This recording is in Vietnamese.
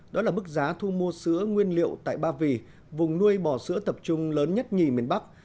đó là mức giá thu mua sữa nguyên liệu tại ba vì vùng nuôi bò sữa tập trung lớn nhất nhì miền bắc